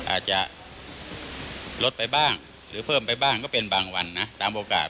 อาจจะลดไปบ้างหรือเพิ่มไปบ้างก็เป็นบางวันนะตามโอกาส